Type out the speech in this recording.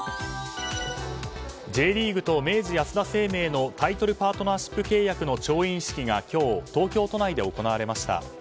Ｊリーグと明治安田生命のタイトルパートナーシップ契約の調印式が今日東京都内で行われました。